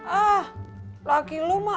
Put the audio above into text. ah laki lu mah